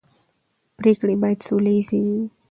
پرېکړې باید سوله ییزې وي